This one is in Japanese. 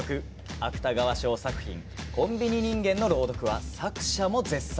芥川賞作品「コンビニ人間」の朗読は作者も絶賛。